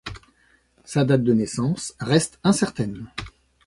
Sa date de naissance reste incertaine.